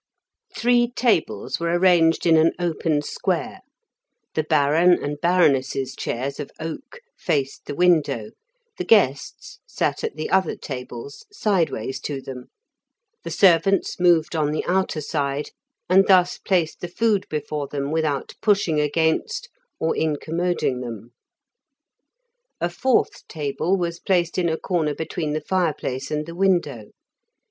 Three tables were arranged in an open square; the Baron and Baroness's chairs of oak faced the window, the guests sat at the other tables sideways to them, the servants moved on the outer side, and thus placed the food before them without pushing against or incommoding them. A fourth table was placed in a corner between the fireplace and the window.